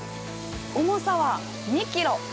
重さは２キロ！